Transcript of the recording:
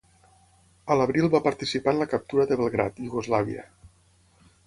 A l'abril va participar en la captura de Belgrad, Iugoslàvia.